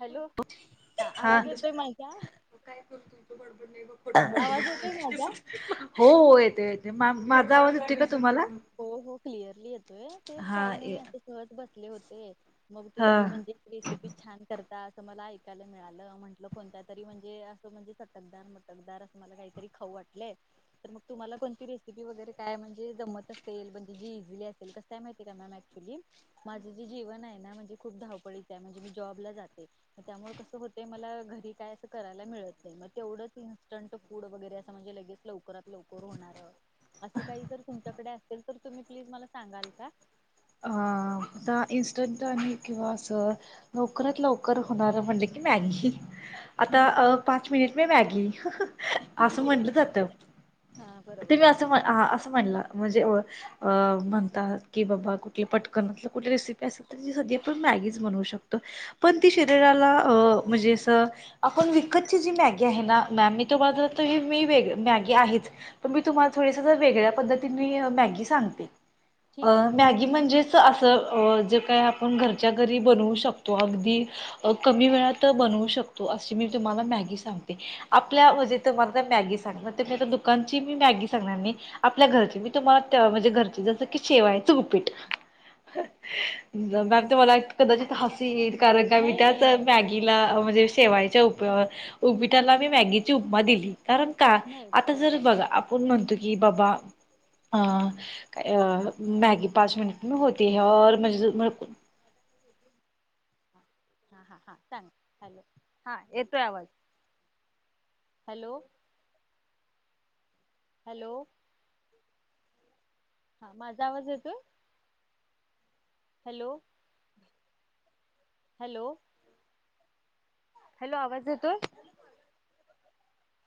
Hello, हा आवाज येतोय माझा, आवाज येतोय माझा? हो हो येतोय येतोय. माझा आवाज येतोय का? तुम्हाला हो हो क्लिअरली येतोय. ते हा काही नाही असे सहज बसले होते, मग हा तुम्ही म्हणजे रेसिपी छान कर. अस मला ऐकायला मिळालं, म्हटलं कोणत्या तरी म्हणजे अस म्हणजे चटकदार मटकदार असं मला काहीतरी खाऊ वाटलंय तर मग तुम्हाला कोणती रेसिपी वगैरे काय म्हणजे जमत म्हणजे जी इजिली असेल. कस आहे माहितेय का मॅम अक्तुअली माझं जे जीवन आहे ना म्हणजे खूप धावपळीचं म्हणजे मी जॉबला जाते. त्यामुळे कस होतंय मला घरी काय अस करायला मिळत नाही मग तेवढंच इ्स्टंट फूड वगैरे असं म्हणजे लगेच लवकरात लवकर होणार असं काही जर तुमच्याकडे तर तुम्ही प्लीज मला सांगाल का? अ आता इनस्टंट आणि किंवा असं लवकरात लवकर होणार म्हणजे [inaudible] आता अ पाच मिनिट में मॅगी असं म्हटलं जात. हा ते बरोबर मीही आहे असं अस म्हटला म्हणजे म्हणतात की बाबा कुठल्या पटकन अस कुठल रेसिपी अस ते आपण मॅगीच बनवू शकतो. पण ती शरीराला अ म्हणजे अस तर आपण विकतची जी मॅगी आहे ना मॅम मी ती तुम्हाला जरा मी वेगळी मॅगी आहेच. तर मी तुम्हाला थोडेस जरा वेगळ्या पद्धतीने मॅगी सांगते. अ ठीक आहे ठीक आहे मॅगी चालेल म्हणजेच असं अ काय आपण घरच्या घरी बनवू शकतो. अगदी कमी वेळात बनवू शकतो. अशी मी तुम्हाला तुम्हाला मॅगी सांगते. आपल्या तुम्ही ते दुकान मी मॅगी सांगणार नाही. आपल्या घरची मी तुम्हाला म्हणजे घरची जस की शेवाळ्याच उपिट. ह हो मॅम हो हो तुम्हाला हा कदाचित हा हसू येईल कारण का मी नाही त्यात नाही नाही मॅगीला म्हणजे शेवाळाच्या उपिटला मी मॅगीची उपमा दिली कारण का नाही आता बरोबर जर आहे बघा आपण म्हणतो की बाबा अ मॅगी पाच मिनट में होती हैं और [inaudible] हा हा हा सांगा हॅलो हा येतोय आवाज हॅलो हॅलो हा माझा आवाज येतो हॅलो हॅलो हॅलो आवाज येतो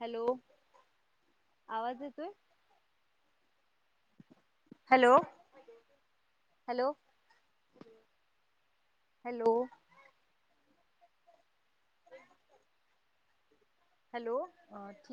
हॅलो आवाज येतोय हॅलो हॅलो हॅलो हॅलो अ